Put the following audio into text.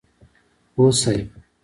هو صيب!